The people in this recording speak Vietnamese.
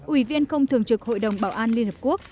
ủy viên không thường trực hội đồng bảo an liên hợp quốc